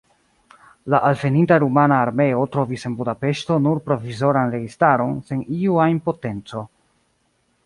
La alveninta rumana armeo trovis en Budapeŝto nur provizoran registaron sen iu ajn potenco.